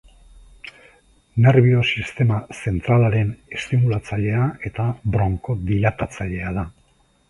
Nerbio-sistema zentralaren estimulatzailea eta bronkodilatatzailea da.